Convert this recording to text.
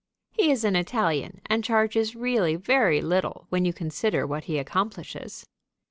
He is an Italian, and charges really very little when you consider what he accomplishes.